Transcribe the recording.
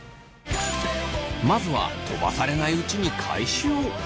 まずは飛ばされないうちに回収を。